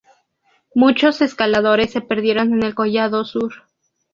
Muchos escaladores se perdieron en el collado Sur.